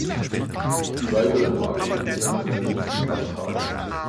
Die weiteren Wagen erinnern an antike Kampfwagen.